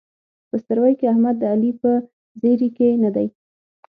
په ستروۍ کې احمد د علي په زېري کې نه دی.